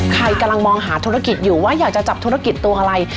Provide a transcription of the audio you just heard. ใครกำลังมองหาธุรกิจอยู่ว่าอยากจะจับธุรกิจตัวอะไร